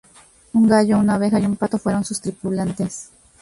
Un gallo, una oveja y un pato fueron sus tripulantes.